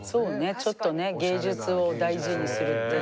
ちょっとね芸術を大事にするっていう。